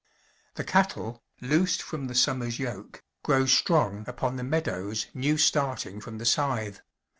The cattle, loosed from the summer's yoke, grow strong upon the meadows new starting from the scythe.